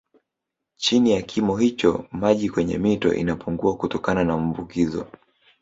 Chini ya kimo hicho maji kwenye mito inapungua kutokana na mvukizo